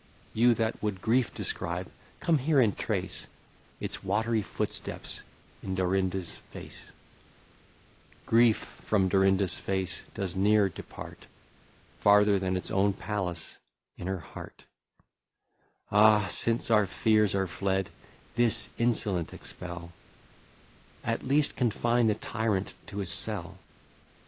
You that would grief describe, come here and trace Its watery footsteps in Dorinda's face: Grief from Dorinda's face does ne'er depart Farther than its own palace in her heart: Ah, since our fears are fled, this insolent expel, At least confine the tyrant to his cell.